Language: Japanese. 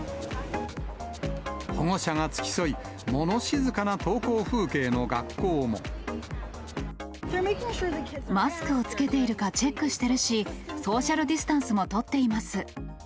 保護者が付き添い、マスクを着けているかチェックしてるし、ソーシャルディスタンスも取っています。